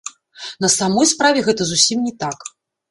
На самой справе гэта зусім не так.